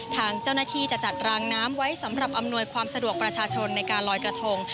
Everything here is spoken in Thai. ทางเจ้าหน้าที่จะจัดรางน้ำไว้สำหรับอำนวยความสะดวกประชาชนในการลอยกระทง